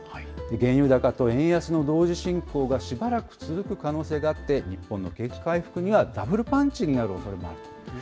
原油高と円安の同時進行がしばらく続く可能性があって、日本の景気回復にはダブルパンチになるおそれもあるというふ